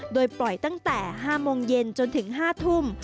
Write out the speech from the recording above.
โดยปล่อยตั้งแต่๕โมงเย็นจนถึง๕ทุ่ม